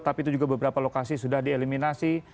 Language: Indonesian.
tapi itu juga beberapa lokasi sudah dieliminasi